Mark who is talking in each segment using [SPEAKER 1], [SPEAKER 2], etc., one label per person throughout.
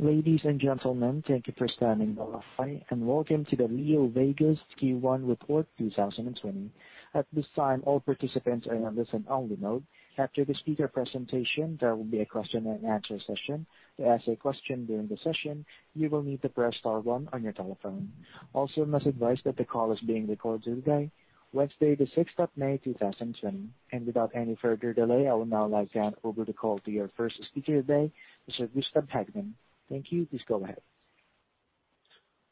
[SPEAKER 1] Ladies and gentlemen, thank you for standing by and welcome to the LeoVegas Q1 report 2020. At this time, all participants are in a listen-only mode. After the speaker presentation, there will be a question and answer session. To ask a question during the session, you will need to press star one on your telephone. Also, I must advise that the call is being recorded today, Wednesday, the May 6th, 2020. Without any further delay, I will now hand over the call to your first speaker today, Mr. Gustaf Hagman. Thank you. Please go ahead.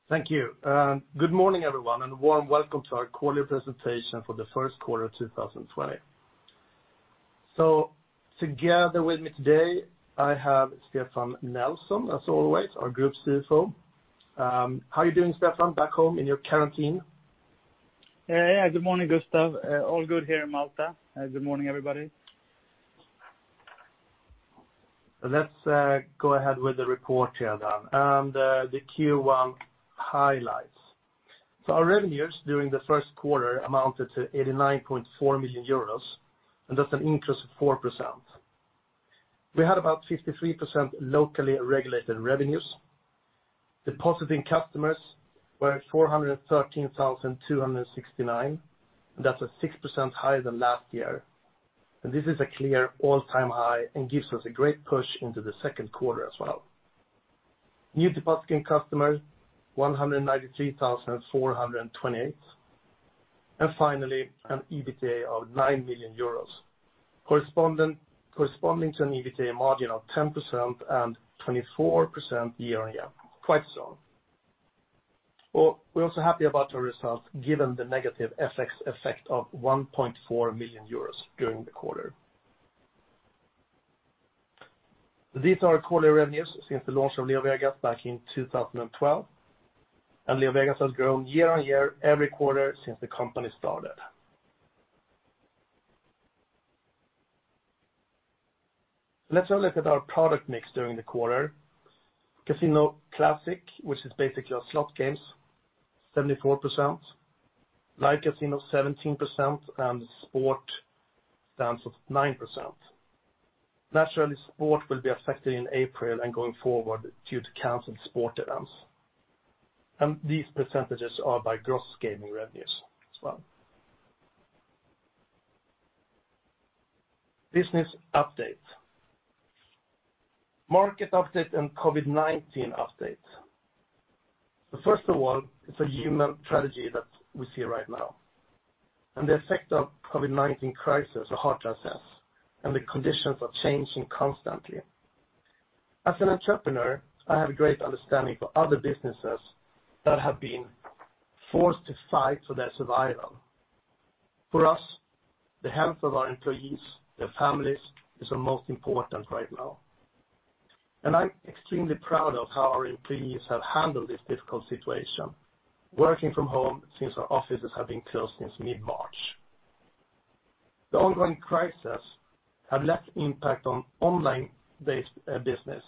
[SPEAKER 2] Thank you. Good morning, everyone, and warm welcome to our quarterly presentation for the first quarter of 2020. Together with me today, I have Stefan Nelson, as always, our Group CFO. How are you doing, Stefan? Back home in your quarantine?
[SPEAKER 3] Yeah. Good morning, Gustaf. All good here in Malta. Good morning, everybody.
[SPEAKER 2] Let's go ahead with the report here, the Q1 highlights. Our revenues during the first quarter amounted to 89.4 million euros, and that's an increase of 4%. We had about 53% locally regulated revenues. Depositing customers were 413,269, and that's a 6% higher than last year. This is a clear all-time high and gives us a great push into the second quarter as well. New depositing customers, 193,428. Finally, an EBITDA of 9 million euros corresponding to an EBITDA margin of 10% and 24% year-on-year. Quite strong. Well, we're also happy about our results given the negative FX effect of 1.4 million euros during the quarter. These are our quarterly revenues since the launch of LeoVegas back in 2012, and LeoVegas has grown year-on-year every quarter since the company started. Let's have a look at our product mix during the quarter. Casino Classic, which is basically our slot games, 74%, Live Casino 17%. Sport stands at 9%. Naturally, Sport will be affected in April and going forward due to canceled sport events. These percentages are by gross gaming revenues as well. Business update. Market update and COVID-19 update. First of all, it's a human tragedy that we see right now. The effect of COVID-19 crisis are hard to assess. The conditions are changing constantly. As an entrepreneur, I have a great understanding for other businesses that have been forced to fight for their survival. For us, the health of our employees, their families, is the most important right now. I'm extremely proud of how our employees have handled this difficult situation, working from home since our offices have been closed since mid-March. The ongoing crisis have less impact on online-based business.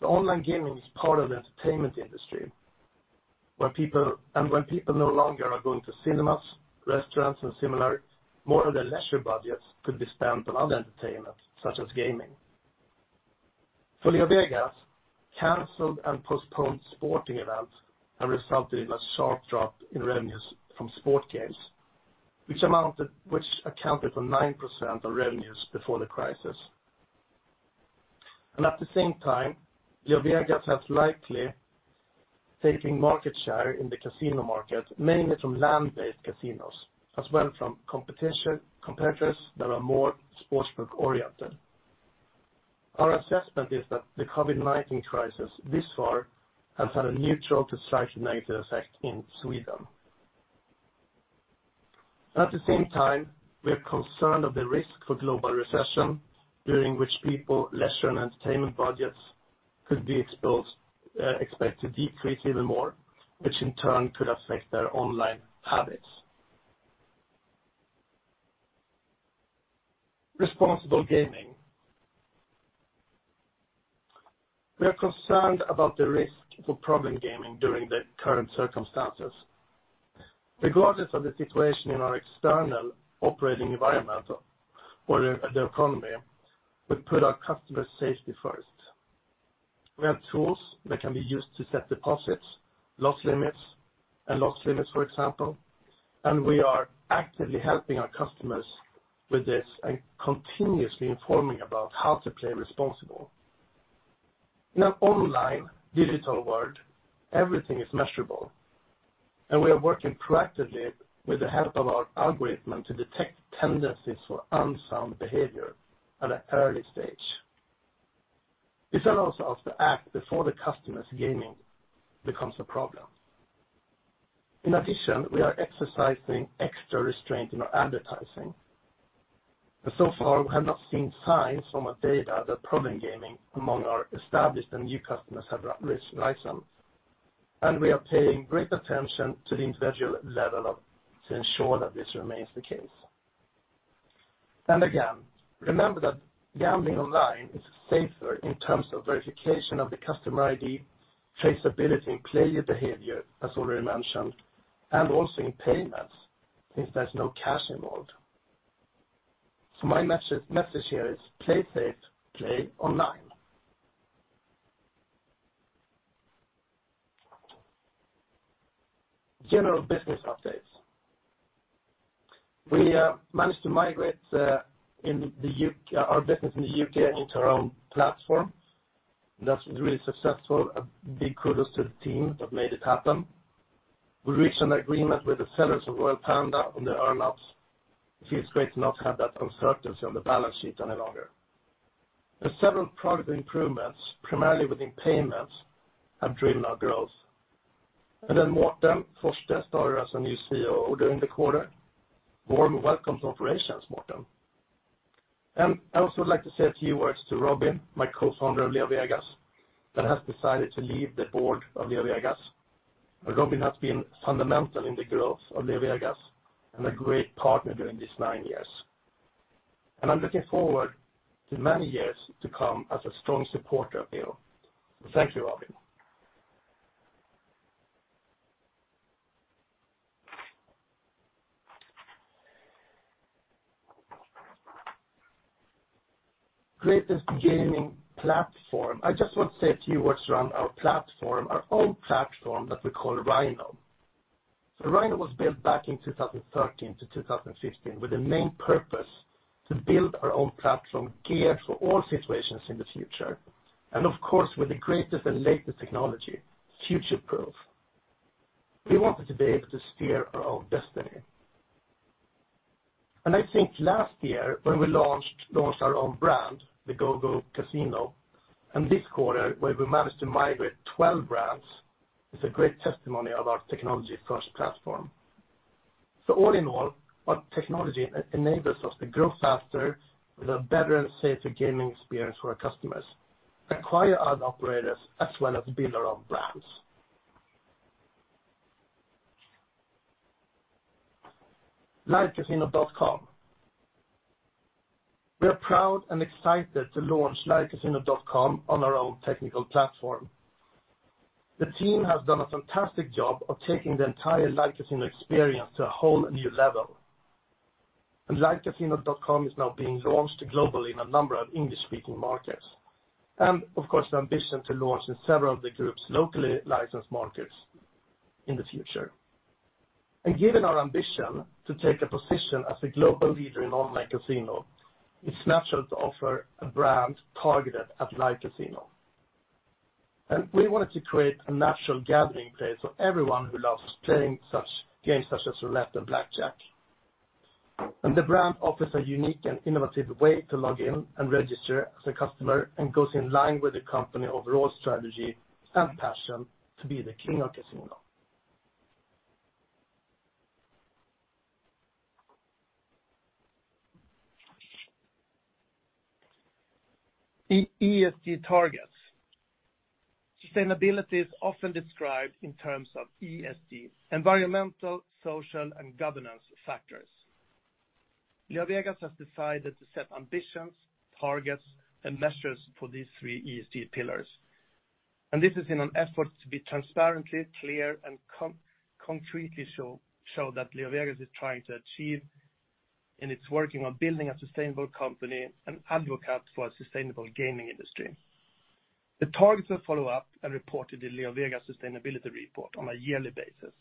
[SPEAKER 2] The online gaming is part of the entertainment industry. When people no longer are going to cinemas, restaurants, and similar, more of their leisure budgets could be spent on other entertainment, such as gaming. For LeoVegas, canceled and postponed sporting events have resulted in a sharp drop in revenues from sport games, which accounted for 9% of revenues before the crisis. At the same time, LeoVegas has likely taken market share in the casino market, mainly from land-based casinos, as well from competitors that are more sportsbook-oriented. Our assessment is that the COVID-19 crisis this far has had a neutral to slightly negative effect in Sweden. At the same time, we are concerned of the risk for global recession, during which people leisure and entertainment budgets could be expected to decrease even more, which in turn could affect their online habits. Responsible gaming. We are concerned about the risk for problem gambling during the current circumstances. Regardless of the situation in our external operating environment or the economy, we put our customers' safety first. We have tools that can be used to set deposits and loss limits, for example, and we are actively helping our customers with this and continuously informing about how to play responsibly. In an online digital world, everything is measurable, and we are working proactively with the help of our algorithm to detect tendencies for unsound behavior at an early stage. This allows us to act before the customer's gaming becomes a problem. In addition, we are exercising extra restraint in our advertising. So far, we have not seen signs from our data that problem gaming among our established and new customers have risen, and we are paying great attention to the individual level to ensure that this remains the case. Again, remember that gambling online is safer in terms of verification of the customer ID, traceability in player behavior, as already mentioned, and also in payments, since there is no cash involved. My message here is play safe, play online. General business updates. We managed to migrate our business in the U.K. into our own platform. That is really successful. A big kudos to the team that made it happen. We reached an agreement with the sellers of Royal Panda on the earn-outs. It feels great to not have that uncertainty on the balance sheet any longer. There are several product improvements, primarily within payments, have driven our growth. Mårten Forste started as our new COO during the quarter. Warm welcome to operations, Mårten. I also would like to say a few words to Robin, my Co-Founder of LeoVegas, that has decided to leave the board of LeoVegas. Robin has been fundamental in the growth of LeoVegas and a great partner during these nine years. I'm looking forward to many years to come as a strong supporter of Leo. Thank you, Robin. Greatest gaming platform. I just want to say a few words around our platform, our own platform that we call Rhino. Rhino was built back in 2013-2015 with the main purpose to build our own platform geared for all situations in the future, and of course, with the greatest and latest technology, future-proof. We wanted to be able to steer our own destiny. I think last year when we launched our own brand, the GoGoCasino, and this quarter, where we managed to migrate 12 brands, is a great testimony of our technology-first platform. All in all, our technology enables us to grow faster with a better and safer gaming experience for our customers, acquire ad operators, as well as build our own brands. livecasino.com. We are proud and excited to launch livecasino.com on our own technical platform. The team has done a fantastic job of taking the entire Live Casino experience to a whole new level. livecasino.com is now being launched globally in a number of English-speaking markets, and of course, the ambition to launch in several of the groups locally licensed markets in the future. Given our ambition to take a position as a global leader in online casino, it's natural to offer a brand targeted at Live Casino. We wanted to create a natural gathering place for everyone who loves playing such games such as roulette and blackjack. The brand offers a unique and innovative way to log in and register as a customer and goes in line with the company overall strategy and passion to be the king of casino. ESG targets. Sustainability is often described in terms of ESG, environmental, social, and governance factors. LeoVegas has decided to set ambitions, targets, and measures for these three ESG pillars. This is in an effort to be transparently clear and concretely show that LeoVegas is trying to achieve and it's working on building a sustainable company and advocate for a sustainable gaming industry. The targets are follow-up and reported in LeoVegas sustainability report on a yearly basis.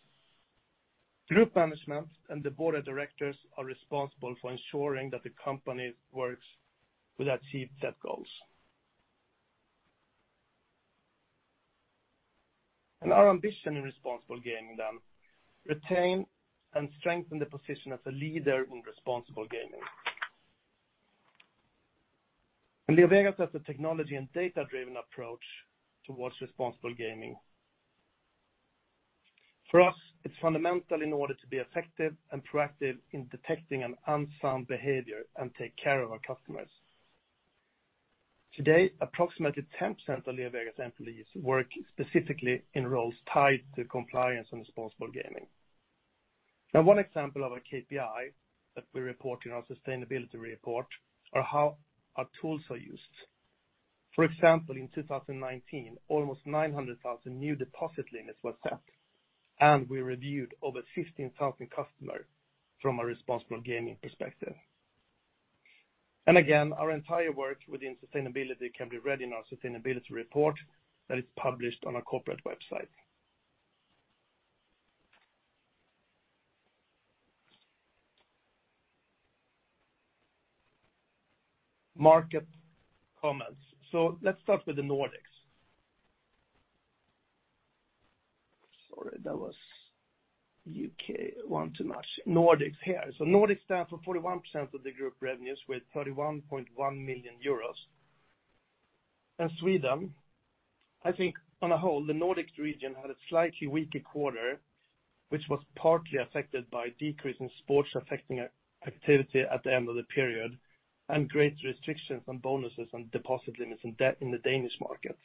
[SPEAKER 2] Group management and the board of directors are responsible for ensuring that the company works with achieve set goals. Our ambition in responsible gaming, retain and strengthen the position as a leader in responsible gaming. LeoVegas has a technology and data-driven approach towards responsible gaming. For us, it's fundamental in order to be effective and proactive in detecting an unsound behavior and take care of our customers. Today, approximately 10% of LeoVegas employees work specifically in roles tied to compliance and responsible gaming. One example of a KPI that we report in our sustainability report are how our tools are used. For example, in 2019, almost 900,000 new deposit limits were set, and we reviewed over 15,000 customers from a responsible gaming perspective. Again, our entire work within sustainability can be read in our sustainability report that is published on our corporate website. Market comments. Let's start with the Nordics. Sorry, that was U.K. One too much. Nordics here. Nordics stand for 41% of the group revenues with 31.1 million euros. In Sweden, I think on a whole, the Nordic region had a slightly weaker quarter, which was partly affected by a decrease in sports affecting activity at the end of the period and great restrictions on bonuses and deposit limits in the Danish market.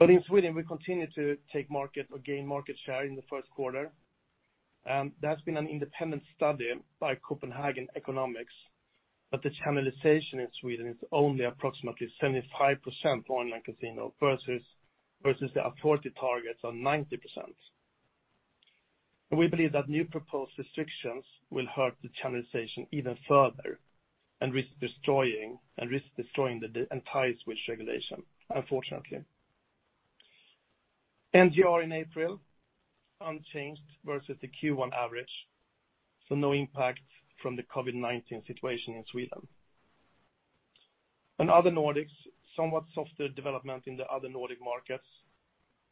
[SPEAKER 2] In Sweden, we continued to take market or gain market share in the first quarter. There has been an independent study by Copenhagen Economics that the channelization in Sweden is only approximately 75% for online casino versus the authority targets on 90%. We believe that new proposed restrictions will hurt the channelization even further and risk destroying the entire Swedish regulation, unfortunately. NGR in April, unchanged versus the Q1 average, so no impact from the COVID-19 situation in Sweden. Other Nordics, somewhat softer development in the other Nordic markets,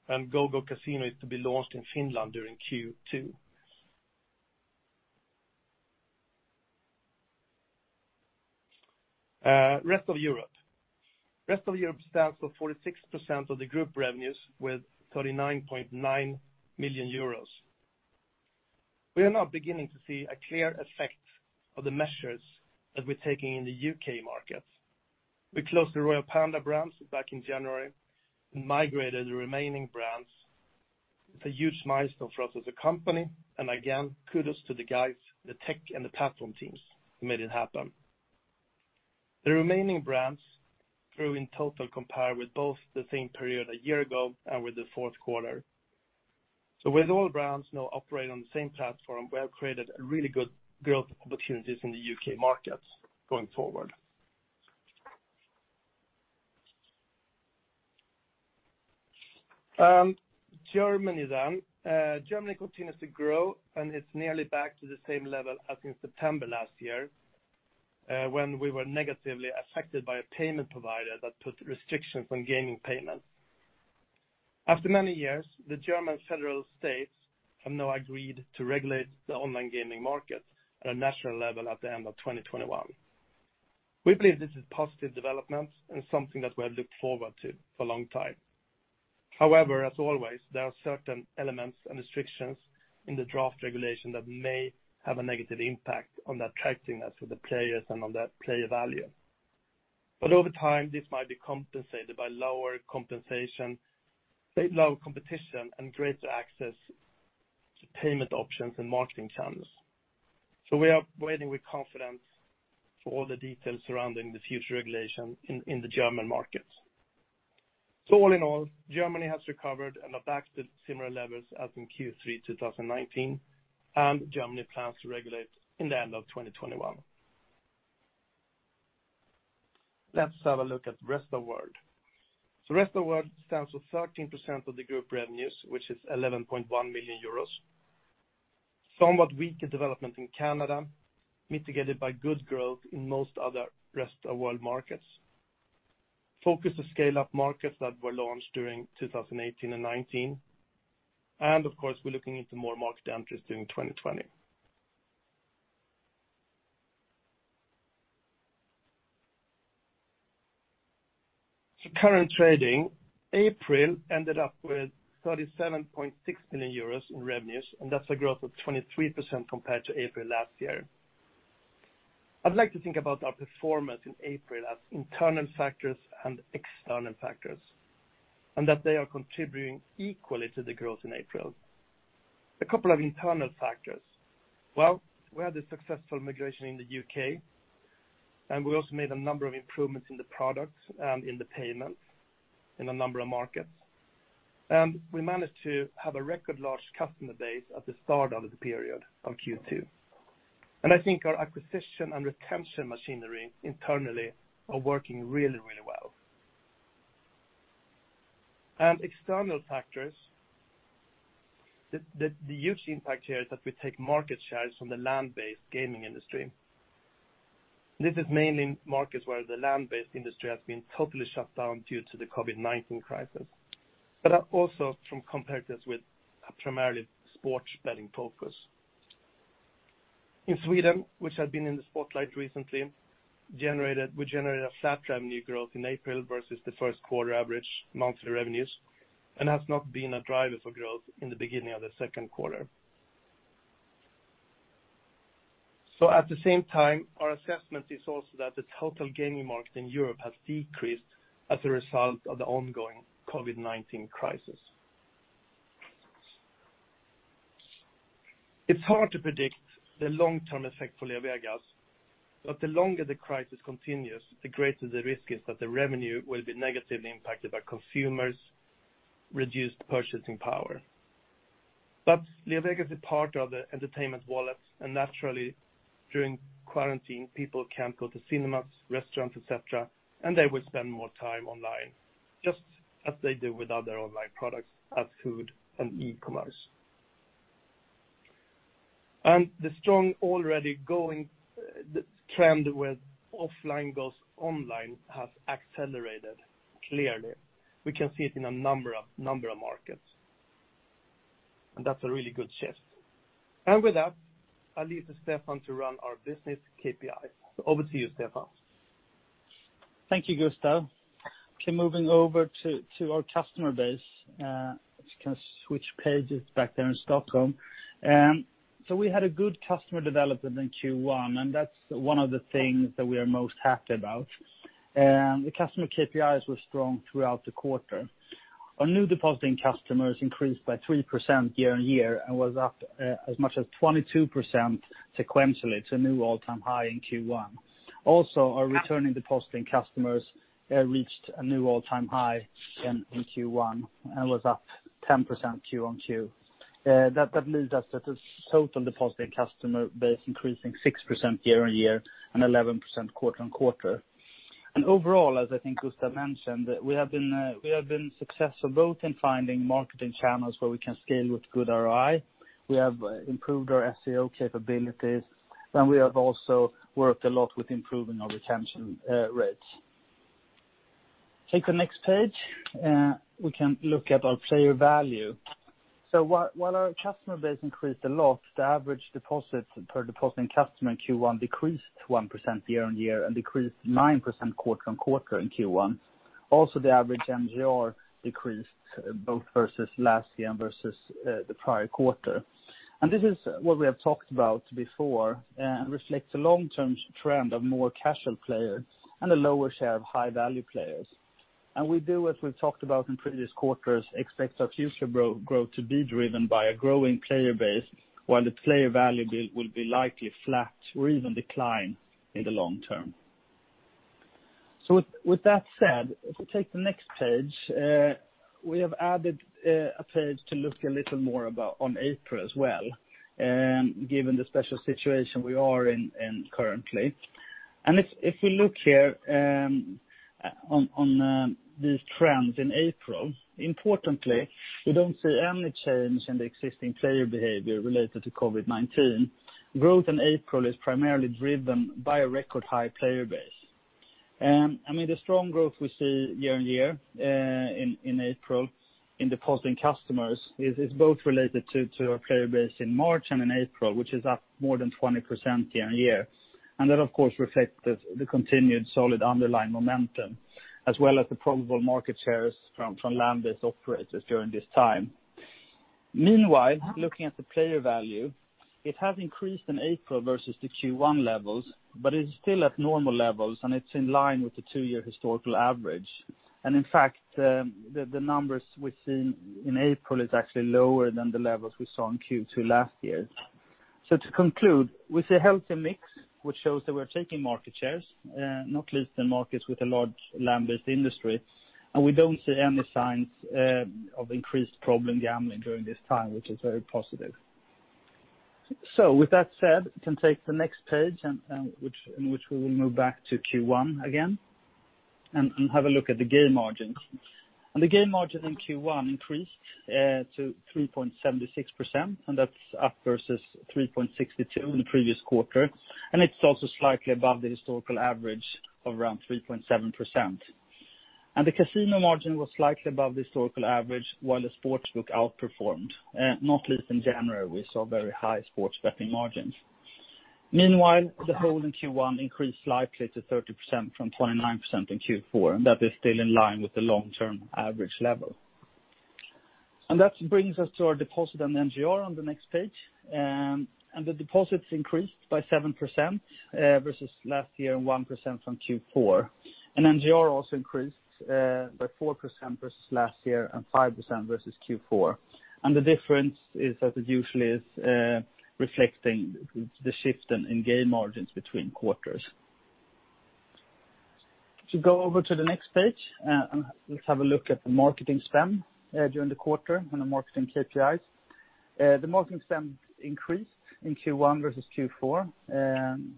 [SPEAKER 2] and GoGoCasino is to be launched in Finland during Q2. Rest of Europe. Rest of Europe stands for 46% of the group revenues with 39.9 million euros. We are now beginning to see a clear effect of the measures that we're taking in the U.K. markets. We closed the Royal Panda brands back in January and migrated the remaining brands. It's a huge milestone for us as a company, and again, kudos to the guys, the tech and the platform teams who made it happen. The remaining brands grew in total compare with both the same period a year ago and with the fourth quarter. With all brands now operating on the same platform, we have created really good growth opportunities in the U.K. markets going forward. Germany. Germany continues to grow, and it's nearly back to the same level as in September last year, when we were negatively affected by a payment provider that put restrictions on gaming payments. After many years, the German federal states have now agreed to regulate the online gaming market at a national level at the end of 2021. We believe this is positive development and something that we have looked forward to for a long time. However, as always, there are certain elements and restrictions in the draft regulation that may have a negative impact on the attractiveness of the players and on that player value. Over time, this might be compensated by lower competition and greater access to payment options and marketing channels. We are waiting with confidence for all the details surrounding the future regulation in the German market. All in all, Germany has recovered and are back to similar levels as in Q3 2019, and Germany plans to regulate in the end of 2021. Let's have a look at Rest of World. Rest of World stands for 13% of the group revenues, which is 11.1 million euros. Somewhat weaker development in Canada, mitigated by good growth in most other Rest of World markets. Focus to scale up markets that were launched during 2018 and 2019. Of course, we're looking into more market entries during 2020. Current trading, April ended up with 37.6 million euros in revenues, and that's a growth of 23% compared to April last year. I'd like to think about our performance in April as internal factors and external factors, and that they are contributing equally to the growth in April. A couple of internal factors. We had the successful migration in the U.K., and we also made a number of improvements in the product and in the payment in a number of markets. We managed to have a record large customer base at the start of the period of Q2. I think our acquisition and retention machinery internally are working really well. External factors, the huge impact here is that we take market shares from the land-based gaming industry. This is mainly in markets where the land-based industry has been totally shut down due to the COVID-19 crisis, but also from competitors with primarily sports betting focus. In Sweden, which had been in the spotlight recently, we generated a flat revenue growth in April versus the first quarter average monthly revenues and has not been a driver for growth in the beginning of the second quarter. At the same time, our assessment is also that the total gaming market in Europe has decreased as a result of the ongoing COVID-19 crisis. It's hard to predict the long-term effect for LeoVegas, but the longer the crisis continues, the greater the risk is that the revenue will be negatively impacted by consumers' reduced purchasing power. LeoVegas is part of the entertainment wallet, and naturally, during quarantine, people can't go to cinemas, restaurants, et cetera, and they will spend more time online just as they do with other online products as food and e-commerce. The strong, already going trend with offline goes online has accelerated clearly. We can see it in a number of markets, and that's a really good shift. With that, I leave to Stefan to run our business KPI. Over to you, Stefan.
[SPEAKER 3] Thank you, Gustaf. Okay, moving over to our customer base. Just going to switch pages back there in Stockholm. We had a good customer development in Q1, and that's one of the things that we are most happy about. The customer KPIs were strong throughout the quarter. Our new depositing customers increased by 3% year-on-year and was up as much as 22% sequentially to a new all-time high in Q1. Also, our returning depositing customers reached a new all-time high in Q1 and was up 10% Q-on-Q. That leaves us with a total depositing customer base increasing 6% year-on-year and 11% quarter-on-quarter. Overall, as I think Gustaf mentioned, we have been successful both in finding marketing channels where we can scale with good ROI, we have improved our SEO capabilities, and we have also worked a lot with improving our retention rates. Take the next page. While our customer base increased a lot, the average deposits per depositing customer in Q1 decreased 1% year-on-year and decreased 9% quarter-on-quarter in Q1. Also, the average NGR decreased both versus last year and versus the prior quarter. This is what we have talked about before, reflects a long-term trend of more casual players and a lower share of high-value players. We do, as we've talked about in previous quarters, expect our future growth to be driven by a growing player base, while the player value will be likely flat or even decline in the long term. With that said, if we take the next page, we have added a page to look a little more about on April as well, given the special situation we are in currently. If we look here on these trends in April, importantly, we don't see any change in the existing player behavior related to COVID-19. Growth in April is primarily driven by a record high player base. I mean, the strong growth we see year-on-year in April in depositing customers is both related to our player base in March and in April, which is up more than 20% year-on-year. That of course reflects the continued solid underlying momentum, as well as the probable market shares from land-based operators during this time. Meanwhile, looking at the player value, it has increased in April versus the Q1 levels, but is still at normal levels and it's in line with the two-year historical average. In fact, the numbers we've seen in April is actually lower than the levels we saw in Q2 last year. To conclude, we see a healthy mix, which shows that we are taking market shares, not least in markets with a large land-based industry, and we don't see any signs of increased problem gambling during this time, which is very positive. With that said, you can take the next page in which we will move back to Q1 again and have a look at the game margins. The game margin in Q1 increased to 3.76%, and that's up versus 3.62% in the previous quarter, and it's also slightly above the historical average of around 3.7%. The casino margin was slightly above the historical average, while the sportsbook outperformed, not least in January, we saw very high sports betting margins. Meanwhile, the hold in Q1 increased slightly to 30% from 29% in Q4, and that is still in line with the long-term average level. That brings us to our deposit and MGR on the next page. The deposits increased by 7% versus last year and 1% from Q4. MGR also increased by 4% versus last year and 5% versus Q4. The difference is that it usually is reflecting the shift in game margins between quarters. If you go over to the next page, let's have a look at the marketing spend during the quarter on the marketing KPIs. The marketing spend increased in Q1 versus Q4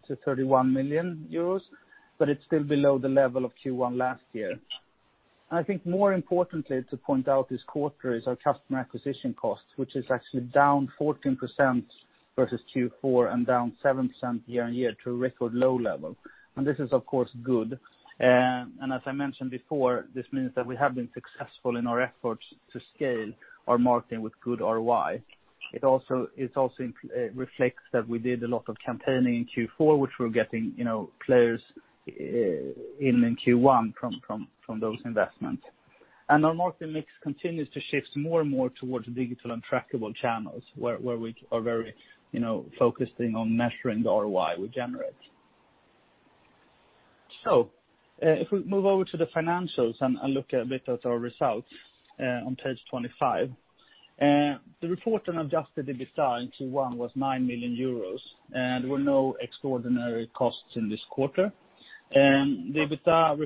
[SPEAKER 3] to 31 million euros, but it's still below the level of Q1 last year. I think more importantly to point out this quarter is our customer acquisition cost, which is actually down 14% versus Q4 and down 7% year-on-year to a record low level. This is of course good, and as I mentioned before, this means that we have been successful in our efforts to scale our marketing with good ROI. This reflects that we did a lot of campaigning in Q4, which we're getting players in Q1 from those investments. Our marketing mix continues to shift more and more towards digital and trackable channels, where we are very focused on measuring the ROI we generate. We move over to the financials and look a bit at our results on page 25. The report on adjusted EBITDA in Q1 was 9 million euros. There were no extraordinary costs in this quarter. The EBITDA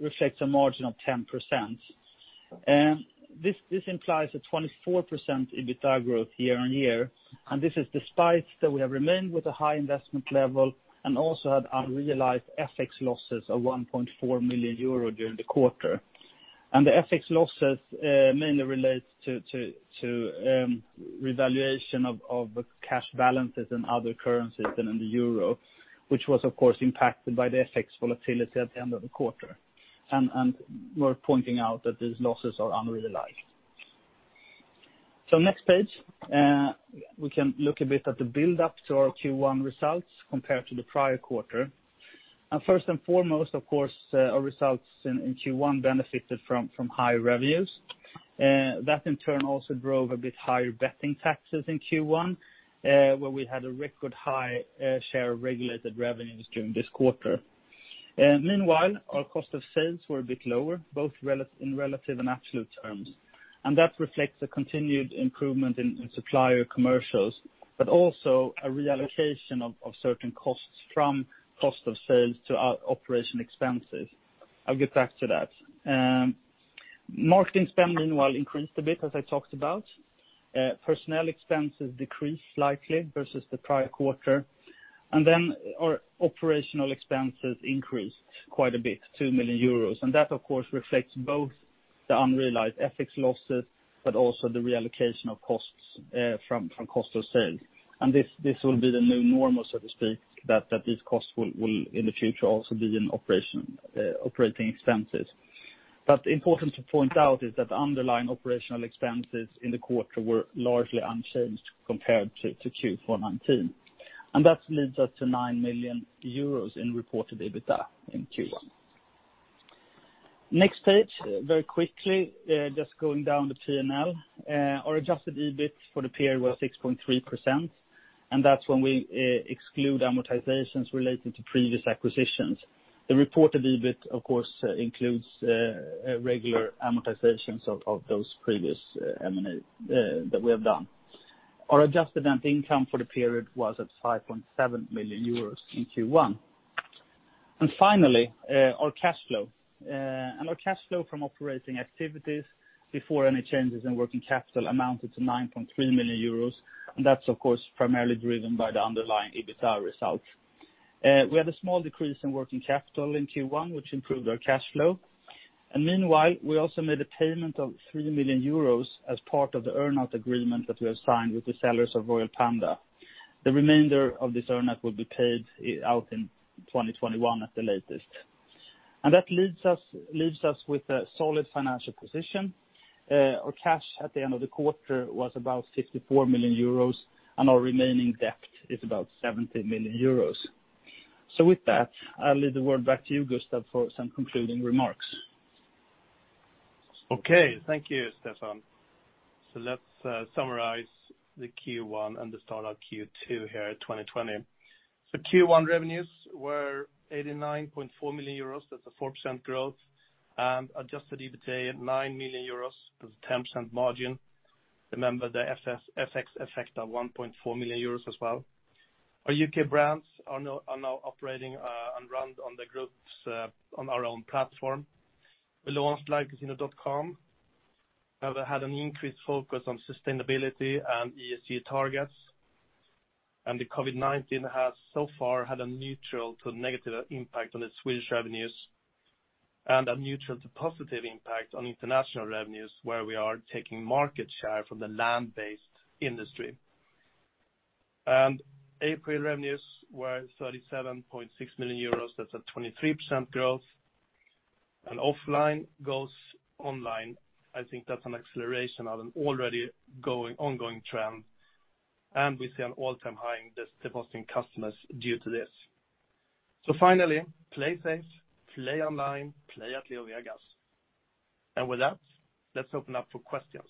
[SPEAKER 3] reflects a margin of 10%. This implies a 24% EBITDA growth year-on-year, this is despite that we have remained with a high investment level and also had unrealized FX losses of 1.4 million euro during the quarter. The FX losses mainly relate to revaluation of cash balances in other currencies than in the euro, which was of course impacted by the FX volatility at the end of the quarter. Worth pointing out that these losses are unrealized. Next page, we can look a bit at the buildup to our Q1 results compared to the prior quarter. First and foremost, of course, our results in Q1 benefited from high revenues. That in turn also drove a bit higher betting taxes in Q1, where we had a record high share of regulated revenues during this quarter. Meanwhile, our cost of sales were a bit lower, both in relative and absolute terms. That reflects a continued improvement in supplier commercials, but also a reallocation of certain costs from cost of sales to our operation expenses. I'll get back to that. Marketing spend meanwhile increased a bit, as I talked about. Personnel expenses decreased slightly versus the prior quarter. Our operational expenses increased quite a bit, 2 million euros. That of course reflects both the unrealized FX losses, but also the reallocation of costs from cost of sales. This will be the new normal, so to speak, that these costs will in the future also be in operating expenses. Important to point out is that underlying operational expenses in the quarter were largely unchanged compared to Q4 2019. That leads us to 9 million euros in reported EBITDA in Q1. Next page, very quickly, just going down the P&L. Our adjusted EBIT for the period was 6.3%, and that's when we exclude amortizations related to previous acquisitions. The reported EBIT, of course, includes regular amortizations of those previous M&A that we have done. Our adjusted net income for the period was at 5.7 million euros in Q1. Finally, our cash flow. Our cash flow from operating activities before any changes in working capital amounted to 9.3 million euros, and that's of course primarily driven by the underlying EBITDA results. We had a small decrease in working capital in Q1, which improved our cash flow. Meanwhile, we also made a payment of 3 million euros as part of the earn-out agreement that we have signed with the sellers of Royal Panda. The remainder of this earn-out will be paid out in 2021 at the latest. That leaves us with a solid financial position. Our cash at the end of the quarter was about 54 million euros, and our remaining debt is about 70 million euros. With that, I'll leave the word back to you, Gustaf, for some concluding remarks.
[SPEAKER 2] Okay. Thank you, Stefan. Let's summarize the Q1 and the start of Q2 here at 2020. Q1 revenues were 89.4 million euros, that's a 4% growth, and adjusted EBITDA at 9 million euros, that's a 10% margin. Remember the FX effect of 1.4 million euros as well. Our U.K. brands are now operating and run on our own platform. We launched livecasino.com, however, had an increased focus on sustainability and ESG targets, and the COVID-19 has so far had a neutral to negative impact on the Swedish revenues and a neutral to positive impact on international revenues, where we are taking market share from the land-based industry. April revenues were 37.6 million euros, that's a 23% growth. Offline goes online, I think that's an acceleration of an already ongoing trend. We see an all-time high in depositing customers due to this. Finally, play safe, play online, play at LeoVegas. With that, let's open up for questions.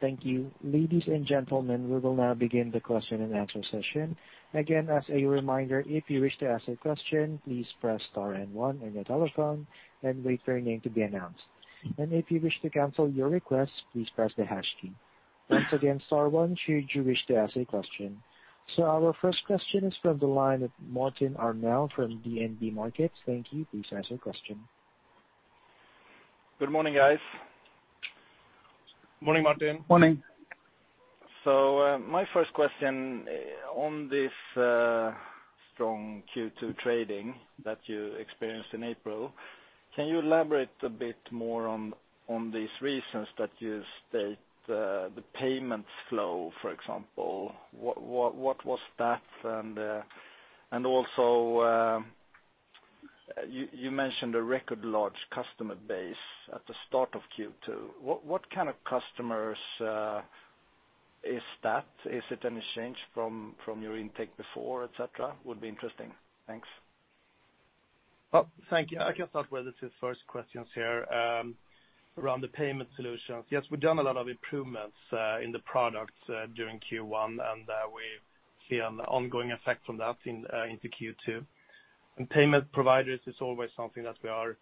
[SPEAKER 1] Thank you. Ladies and gentlemen, we will now begin the question and answer session. Again, as a reminder, if you wish to ask a question, please press star and one on your telephone and wait for your name to be announced. If you wish to cancel your request, please press the hash key. Once again, star one should you wish to ask a question. Our first question is from the line of Martin Arnell from DNB Markets. Thank you. Please ask your question.
[SPEAKER 4] Good morning, guys.
[SPEAKER 2] Morning, Martin.
[SPEAKER 3] Morning.
[SPEAKER 4] My first question on this strong Q2 trading that you experienced in April, can you elaborate a bit more on these reasons that you state, the payments flow, for example, what was that? You mentioned a record large customer base at the start of Q2. What kind of customers is that? Is it any change from your intake before, et cetera? Would be interesting. Thanks.
[SPEAKER 2] Well, thank you. I can start with the two first questions here. Around the payment solutions, yes, we've done a lot of improvements in the product during Q1, and we see an ongoing effect from that into Q2. Payment providers is always something that we are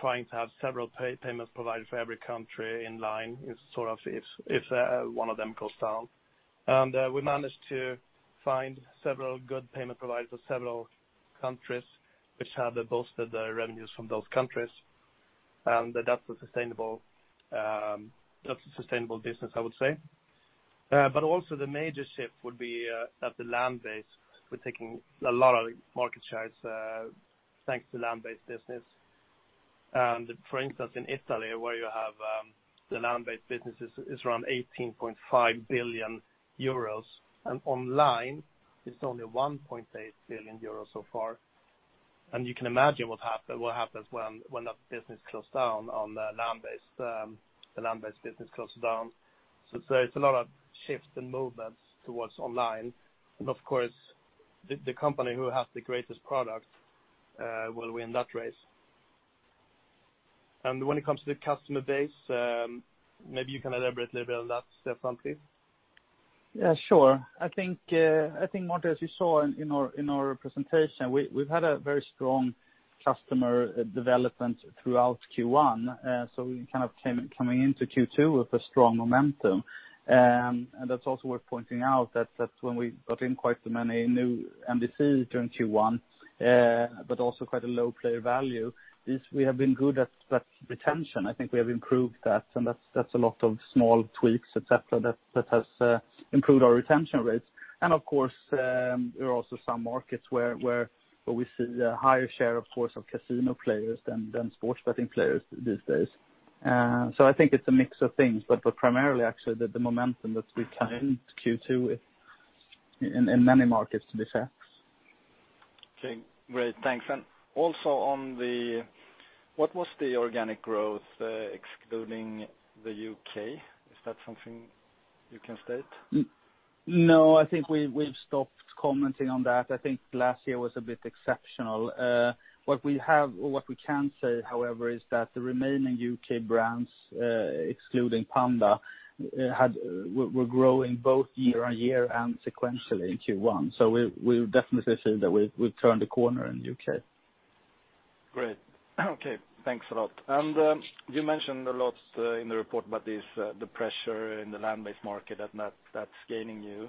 [SPEAKER 2] trying to have several payment providers for every country in line if one of them goes down. We managed to find several good payment providers for several countries, which have bolstered the revenues from those countries. That's a sustainable business, I would say. Also the major shift would be that the land-based, we're taking a lot of market shares thanks to land-based business. For instance, in Italy, where you have the land-based businesses is around 18.5 billion euros, and online is only 1.8 billion euros so far. You can imagine what happens when that business closes down on the land-based business closes down. It's a lot of shifts and movements towards online. Of course, the company who has the greatest product will win that race. When it comes to the customer base, maybe you can elaborate a little bit on that, Stefan, please.
[SPEAKER 3] Yeah, sure. I think, Martin, as you saw in our presentation, we've had a very strong customer development throughout Q1. We came into Q2 with a strong momentum. That's also worth pointing out that that's when we got in quite the many new NDC during Q1, but also quite a low player value. We have been good at retention. I think we have improved that, and that's a lot of small tweaks, et cetera, that has improved our retention rates. Of course, there are also some markets where we see a higher share, of course, of casino players than sports betting players these days. I think it's a mix of things, but primarily actually the momentum that we came into Q2 with in many markets this half.
[SPEAKER 4] Okay, great. Thanks. Also, what was the organic growth, excluding the U.K.? Is that something you can state?
[SPEAKER 3] No, I think we've stopped commenting on that. I think last year was a bit exceptional. What we can say, however, is that the remaining U.K. brands, excluding Panda, were growing both year-on-year and sequentially in Q1. We definitely feel that we've turned a corner in the U.K.
[SPEAKER 4] Great. Okay. Thanks a lot. You mentioned a lot in the report about the pressure in the land-based market that's gaining you.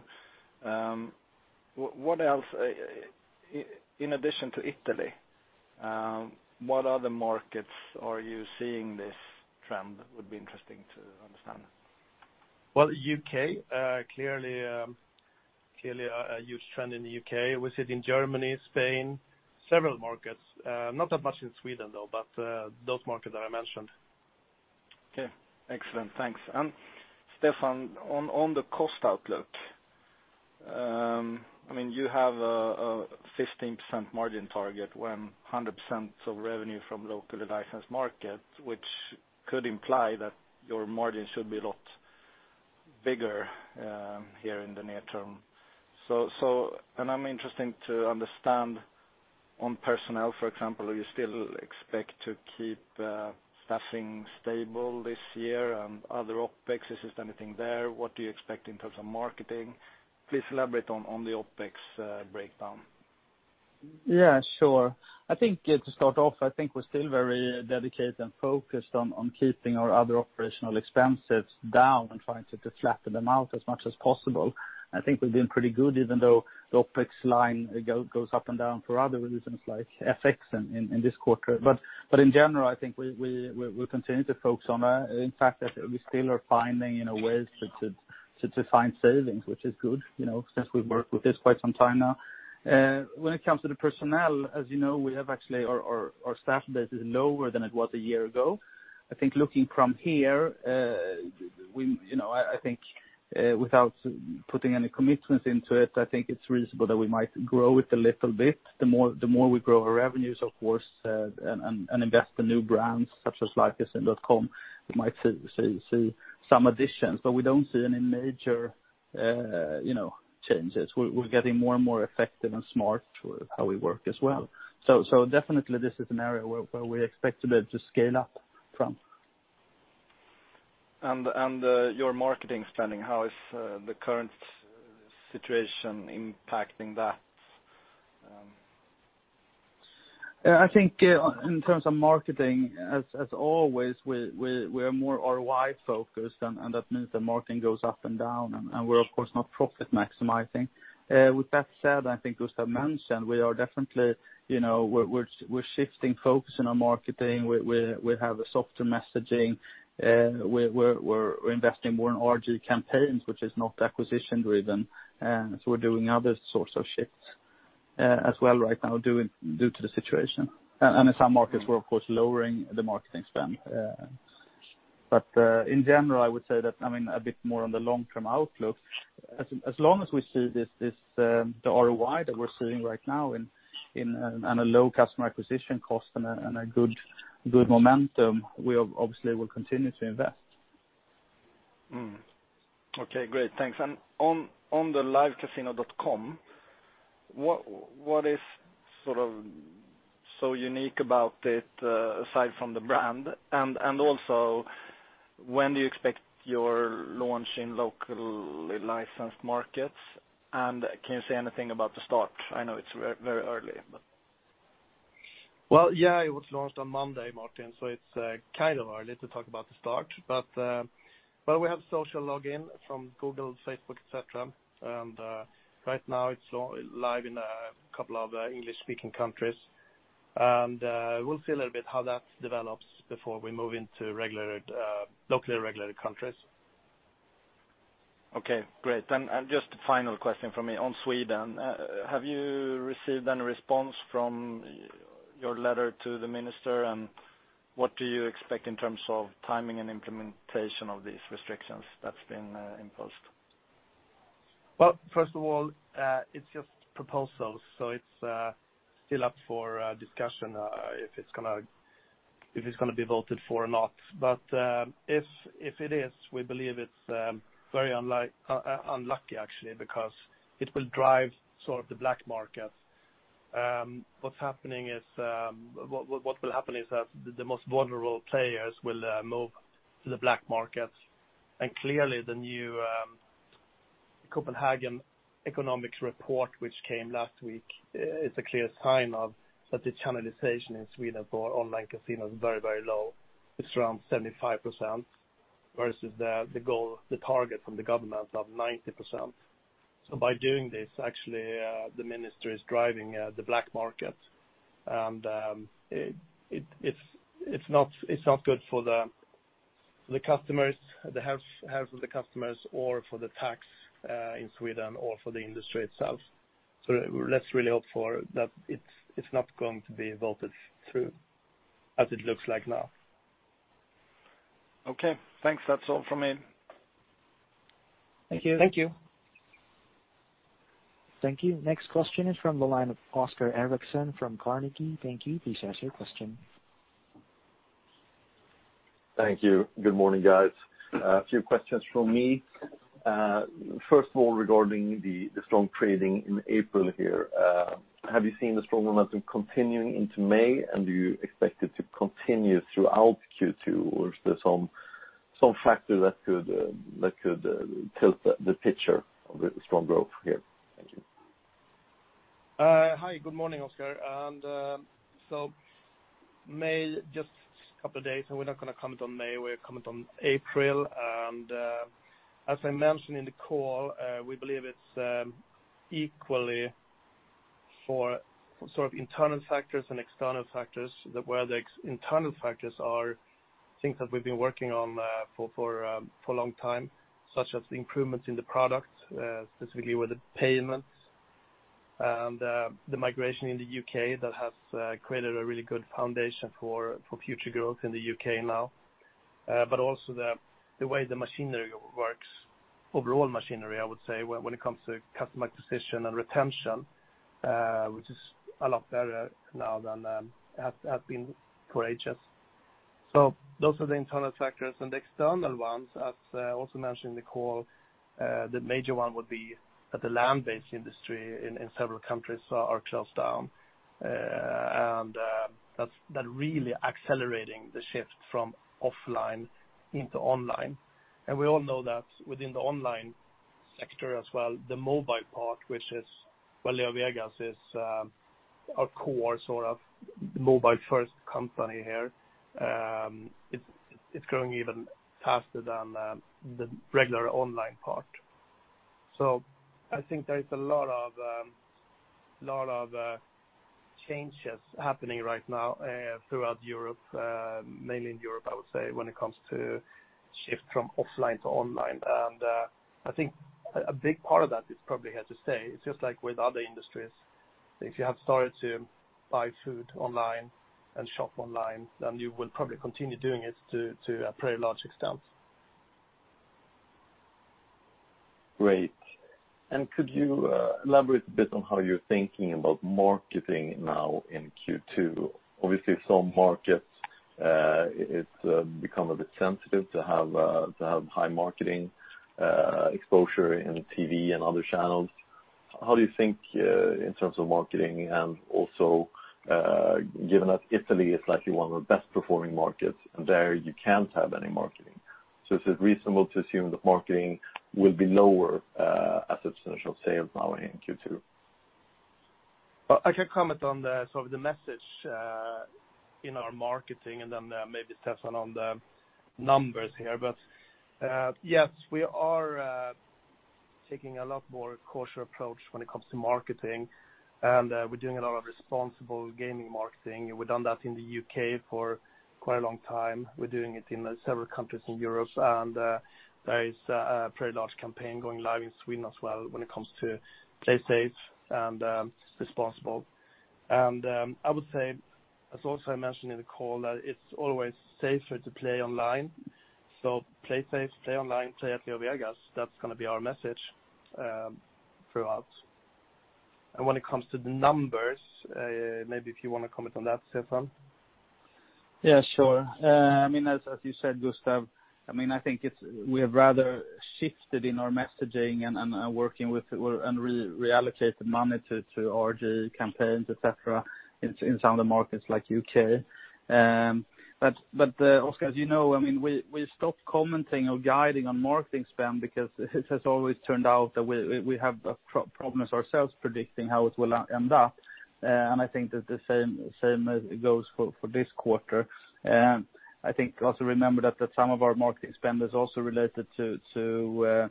[SPEAKER 4] In addition to Italy, what other markets are you seeing this trend? Would be interesting to understand.
[SPEAKER 3] Well, U.K. Clearly a huge trend in the U.K. We see it in Germany, Spain, several markets. Not that much in Sweden, though, but those markets that I mentioned.
[SPEAKER 4] Okay. Excellent, thanks. Stefan, on the cost outlook, you have a 15% margin target when 100% of revenue from locally licensed markets, which could imply that your margin should be a lot bigger here in the near term. I'm interested to understand on personnel, for example, are you still expect to keep staffing stable this year and other OPEX? Is there anything there? What do you expect in terms of marketing? Please elaborate on the OPEX breakdown.
[SPEAKER 3] Yeah, sure. To start off, I think we're still very dedicated and focused on keeping our other operational expenses down and trying to flatten them out as much as possible. I think we've been pretty good, even though the OpEx line goes up and down for other reasons like FX in this quarter. In general, I think we continue to focus on that. In fact, we still are finding ways to find savings, which is good, since we've worked with this quite some time now. When it comes to the personnel, as you know, our staff base is lower than it was one year ago. I think looking from here, I think without putting any commitments into it, I think it's reasonable that we might grow it a little bit. The more we grow our revenues, of course, and invest in new brands such as livecasino.com, we might see some additions, but we don't see any major changes. We're getting more and more effective and smart with how we work as well. Definitely this is an area where we expect a bit to scale up from.
[SPEAKER 4] Your marketing spending, how is the current situation impacting that?
[SPEAKER 3] I think in terms of marketing, as always, we are more ROI-focused. That means the marketing goes up and down, we're of course not profit maximizing. With that said, I think Gustaf mentioned, we're shifting focus in our marketing. We have a softer messaging. We're investing more in RG campaigns, which is not acquisition driven. We're doing other sorts of shifts as well right now due to the situation. In some markets, we're of course lowering the marketing spend. In general, I would say that, a bit more on the long-term outlook, as long as we see the ROI that we're seeing right now and a low customer acquisition cost and a good momentum, we obviously will continue to invest.
[SPEAKER 4] Okay, great. Thanks. On the LiveCasino.com, what is so unique about it aside from the brand? Also, when do you expect your launch in locally licensed markets, and can you say anything about the start? I know it's very early, but.
[SPEAKER 3] Well, yeah, it was launched on Monday, Martin, so it's kind of early to talk about the start. We have social login from Google, Facebook, et cetera. Right now it's live in a couple of English-speaking countries. We'll see a little bit how that develops before we move into locally regulated countries.
[SPEAKER 4] Okay, great. Just a final question from me. On Sweden, have you received any response from your letter to the minister? What do you expect in terms of timing and implementation of these restrictions that's been imposed?
[SPEAKER 3] Well, first of all, it's just proposals, so it's still up for discussion if it's going to be voted for or not. If it is, we believe it's very unlucky, actually, because it will drive sort of the black market
[SPEAKER 2] What will happen is that the most vulnerable players will move to the black market. Clearly, the new Copenhagen Economics Report, which came last week, is a clear sign of the channelization in Sweden for online casinos is very low. It's around 75%, versus the target from the government of 90%. By doing this, actually, the minister is driving the black market. It's not good for the health of the customers or for the tax in Sweden or for the industry itself. Let's really hope that it's not going to be voted through, as it looks like now.
[SPEAKER 4] Okay, thanks. That's all from me.
[SPEAKER 1] Thank you. Thank you. Thank you. Next question is from the line of Gustaf Eriksson from Carnegie. Thank you. Please ask your question.
[SPEAKER 5] Thank you. Good morning, guys. A few questions from me. First of all, regarding the strong trading in April here, have you seen the strong momentum continuing into May, and do you expect it to continue throughout Q2, or is there some factor that could tilt the picture of the strong growth here? Thank you.
[SPEAKER 2] Hi. Good morning, Gustaf. May, just a couple of days, and we're not going to comment on May. We'll comment on April. As I mentioned in the call, we believe it's equally for sort of internal factors and external factors. That where the internal factors are things that we've been working on for a long time, such as the improvements in the product, specifically with the payments and the migration in the U.K. that has created a really good foundation for future growth in the U.K. now. Also the way the machinery works, overall machinery, I would say, when it comes to customer acquisition and retention, which is a lot better now than has been for ages. Those are the internal factors and the external ones, as I also mentioned in the call, the major one would be that the land-based industry in several countries are closed down. That's really accelerating the shift from offline into online. We all know that within the online sector as well, the mobile part, which is LeoVegas, is our core sort of mobile-first company here. It's growing even faster than the regular online part. I think there is a lot of changes happening right now throughout Europe, mainly in Europe, I would say, when it comes to shift from offline to online. I think a big part of that is probably here to stay. It's just like with other industries. If you have started to buy food online and shop online, then you will probably continue doing it to a pretty large extent.
[SPEAKER 5] Great. Could you elaborate a bit on how you're thinking about marketing now in Q2? Obviously, some markets it's become a bit sensitive to have high marketing exposure in TV and other channels. How do you think in terms of marketing and also given that Italy is likely one of the best-performing markets, and there you can't have any marketing. Is it reasonable to assume that marketing will be lower as a percentage of sales now in Q2?
[SPEAKER 2] I can comment on the message in our marketing, then maybe Stefan on the numbers here. Yes, we are taking a lot more cautious approach when it comes to marketing, and we're doing a lot of responsible gaming marketing. We've done that in the U.K. for quite a long time. We're doing it in several countries in Europe, and there is a pretty large campaign going live in Sweden as well when it comes to play safe and responsible. I would say, as also I mentioned in the call, that it's always safer to play online. Play safe, play online, play at LeoVegas. That's going to be our message throughout. When it comes to the numbers, maybe if you want to comment on that, Stefan.
[SPEAKER 3] Yeah, sure. As you said, Gustaf, I think we have rather shifted in our messaging and working with and reallocated money to RG campaigns, et cetera, in some of the markets like U.K. Gustaf, as you know, we stopped commenting or guiding on marketing spend because it has always turned out that we have problems ourselves predicting how it will end up. I think that the same goes for this quarter. I think also remember that some of our marketing spend is also related to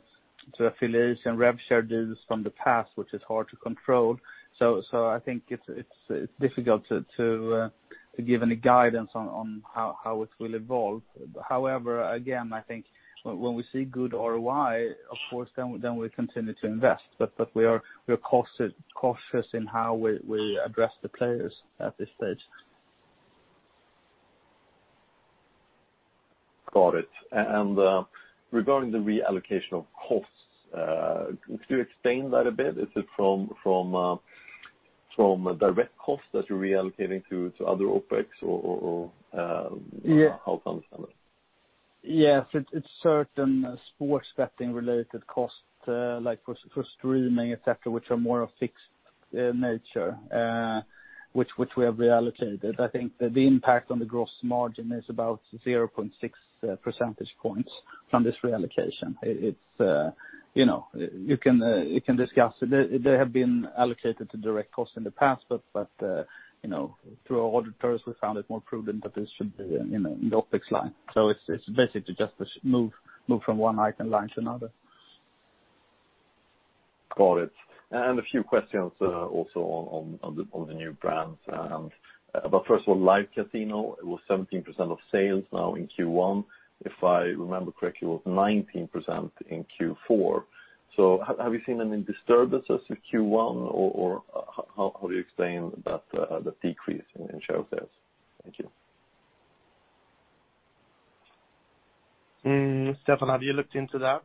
[SPEAKER 3] affiliation, rev share deals from the past, which is hard to control. I think it's difficult to give any guidance on how it will evolve. Again, I think when we see good ROI, of course, then we continue to invest. We are cautious in how we address the players at this stage.
[SPEAKER 5] Got it. Regarding the reallocation of costs, could you explain that a bit? Is it from a direct cost that you're reallocating to other OPEX, or how comes that?
[SPEAKER 3] Yes, it's certain sports betting-related costs, like for streaming, et cetera, which are more of fixed nature, which we have reallocated. I think that the impact on the gross margin is about 0.6 percentage points from this reallocation. You can discuss. They have been allocated to direct costs in the past, but through our auditors, we found it more prudent that this should be in the OpEx line. It's basically just this move from one item line to another.
[SPEAKER 5] Got it. A few questions also on the new brands. First of all, Live Casino, it was 17% of sales now in Q1. If I remember correctly, it was 19% in Q4. Have you seen any disturbances in Q1, or how do you explain that decrease in sales? Thank you.
[SPEAKER 2] Stefan, have you looked into that?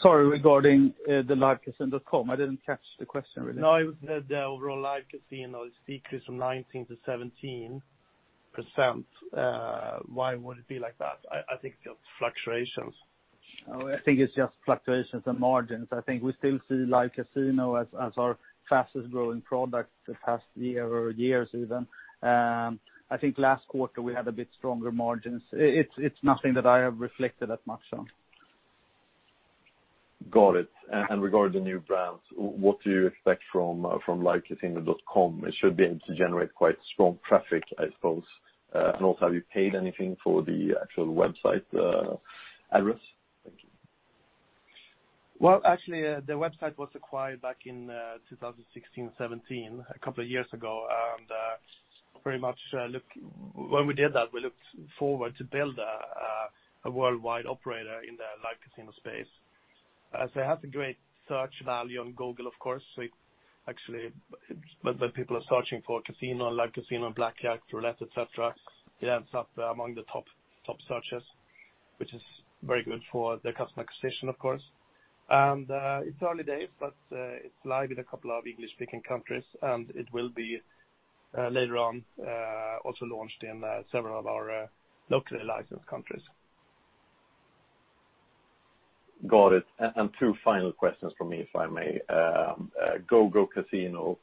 [SPEAKER 2] Sorry, regarding the LiveCasino.com, I didn't catch the question really.
[SPEAKER 3] No, the overall Live Casino. It's decreased from 19% to 17%. Why would it be like that? I think just fluctuations.
[SPEAKER 2] Oh, I think it's just fluctuations and margins. I think we still see Live Casino as our fastest growing product the past year, or years even. I think last quarter we had a bit stronger margins. It's nothing that I have reflected that much on.
[SPEAKER 5] Got it. Regarding the new brands, what do you expect from LiveCasino.com? It should be able to generate quite strong traffic, I suppose. Also, have you paid anything for the actual website address? Thank you.
[SPEAKER 2] Well, actually, the website was acquired back in 2016, 2017, a couple of years ago. When we did that, we looked forward to build a worldwide operator in the Live Casino space. It has a great search value on Google, of course. Actually, when people are searching for casino, Live Casino, blackjack, roulette, et cetera, it ends up among the top searches, which is very good for the customer acquisition, of course. It's early days, but it's live in a couple of English-speaking countries, and it will be later on also launched in several of our locally licensed countries.
[SPEAKER 5] Got it. Two final questions from me, if I may. GoGoCasino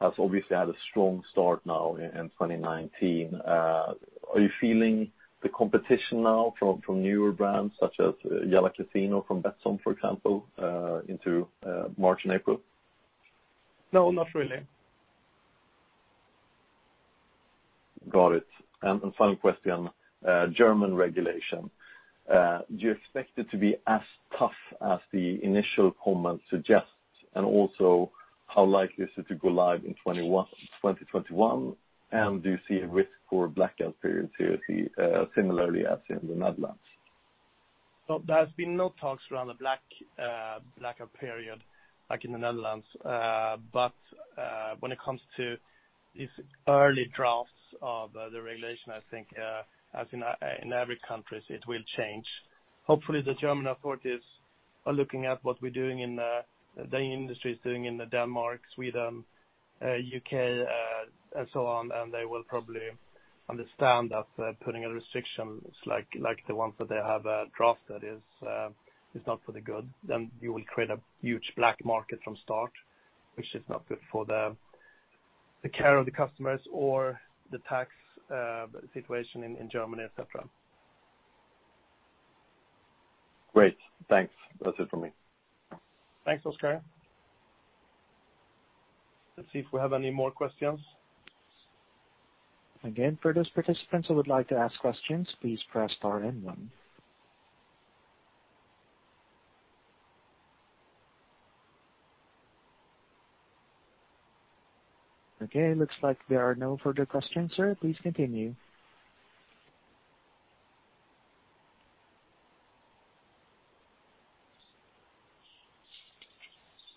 [SPEAKER 5] has obviously had a strong start now in 2019. Are you feeling the competition now from newer brands such as Jalla Casino from Betsson, for example, into March and April?
[SPEAKER 2] No, not really.
[SPEAKER 5] Got it. Final question, German regulation. Do you expect it to be as tough as the initial comments suggest? How likely is it to go live in 2021, and do you see a risk for a blackout period similarly as in the Netherlands?
[SPEAKER 2] No, there has been no talks around the blackout period like in the Netherlands. When it comes to these early drafts of the regulation, I think, as in every country, it will change. Hopefully, the German authorities are looking at what the industry is doing in Denmark, Sweden, U.K., and so on, and they will probably understand that putting restrictions like the ones that they have drafted is not for the good. You will create a huge black market from start, which is not good for the care of the customers or the tax situation in Germany, et cetera.
[SPEAKER 5] Great. Thanks. That's it from me.
[SPEAKER 2] Thanks, Gustaf. Let's see if we have any more questions.
[SPEAKER 1] Again, for those participants who would like to ask questions, please press star and one. Okay, looks like there are no further questions, sir. Please continue.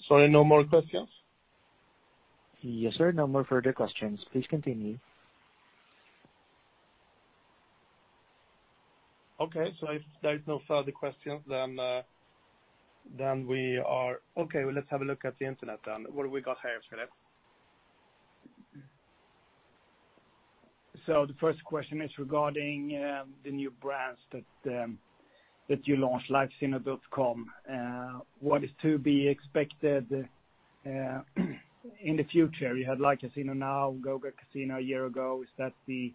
[SPEAKER 2] Sorry, no more questions?
[SPEAKER 1] Yes, sir. No more further questions. Please continue.
[SPEAKER 2] Okay. If there is no further questions, then we are okay. Let's have a look at the Internet then. What have we got here, Philip?
[SPEAKER 6] The first question is regarding the new brands that you launched, LiveCasino.com. What is to be expected in the future? You had Live Casino now, GoGoCasino a year ago. Is that the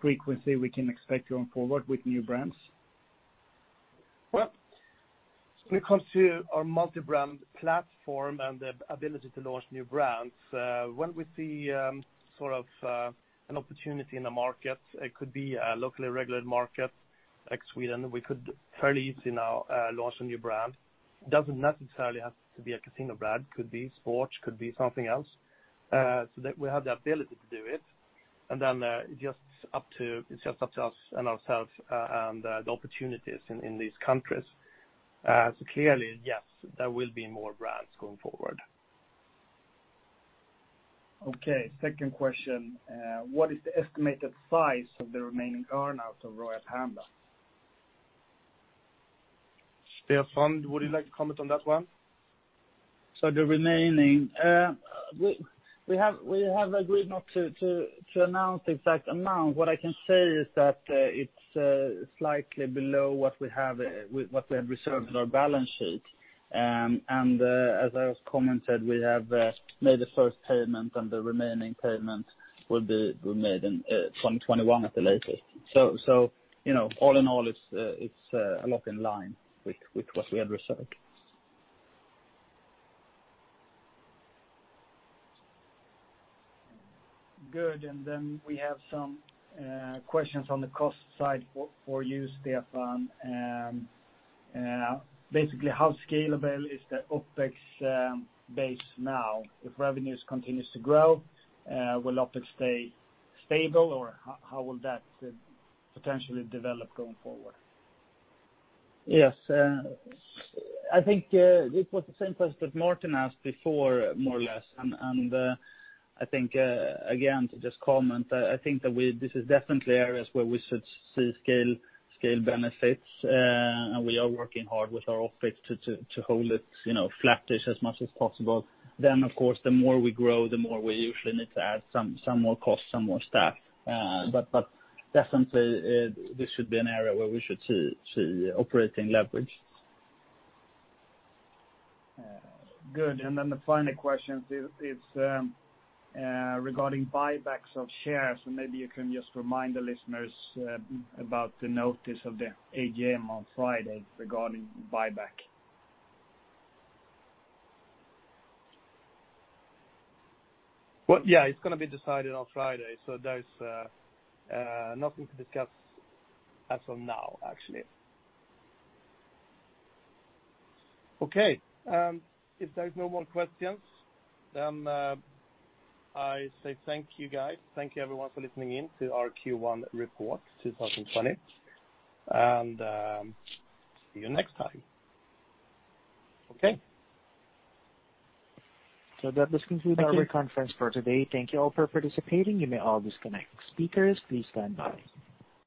[SPEAKER 6] frequency we can expect going forward with new brands?
[SPEAKER 2] When it comes to our multi-brand platform and the ability to launch new brands, when we see sort of an opportunity in the market, it could be a locally regulated market like Sweden, we could fairly easily now launch a new brand. It doesn't necessarily have to be a casino brand, could be sports, could be something else. We have the ability to do it, and then it's just up to us and ourselves, and the opportunities in these countries. Clearly, yes, there will be more brands going forward.
[SPEAKER 6] Okay, second question. What is the estimated size of the remaining earn-outs of Royal Panda?
[SPEAKER 2] Stefan, would you like to comment on that one?
[SPEAKER 3] The remaining, we have agreed not to announce the exact amount. What I can say is that it's slightly below what we have reserved in our balance sheet. As I've commented, we have made the first payment, and the remaining payment will be made in 2021 at the latest. All in all, it's a lot in line with what we had reserved.
[SPEAKER 6] Good. We have some questions on the cost side for you, Stefan. Basically, how scalable is the OpEx base now? If revenues continue to grow, will OpEx stay stable, or how will that potentially develop going forward?
[SPEAKER 3] Yes. I think this was the same question that Martin Arnell asked before, more or less. I think, again, to just comment, I think that this is definitely areas where we should see scale benefits. We are working hard with our OpEx to hold it flattish as much as possible. Of course, the more we grow, the more we usually need to add some more cost, some more staff. Definitely, this should be an area where we should see operating leverage.
[SPEAKER 6] Good. The final question is regarding buybacks of shares, and maybe you can just remind the listeners about the notice of the AGM on Friday regarding buyback.
[SPEAKER 3] Well, yeah, it's going to be decided on Friday, so there's nothing to discuss as of now, actually.
[SPEAKER 2] Okay. If there's no more questions, then I say thank you, guys. Thank you, everyone, for listening in to our Q1 report 2020. See you next time. Okay.
[SPEAKER 1] That does conclude our conference for today. Thank you all for participating. You may all disconnect. Speakers, please stand by.